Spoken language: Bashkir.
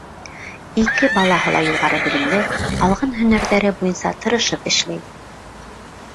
Ике балаһы ла юғары белемле, алған һөнәрҙәре буйынса тырышып эшләй.